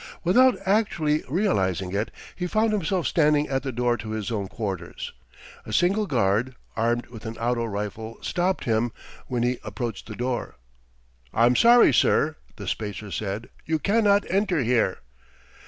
Without actually realizing it, he found himself standing at the door to his own quarters. A single guard, armed with an auto rifle stopped him when he approached the door. "I'm sorry, sir," the Spacer said. "You cannot enter here."